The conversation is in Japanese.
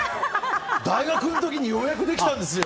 大学の時にようやくできたんですよ！